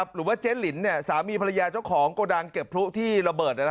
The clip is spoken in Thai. หรือว่าเจ๊หลินสามีภรรยาเจ้าของโกดังเก็บพลุที่ระเบิด